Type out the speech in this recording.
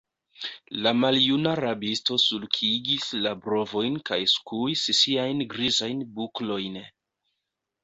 La maljuna rabisto sulkigis la brovojn kaj skuis siajn grizajn buklojn.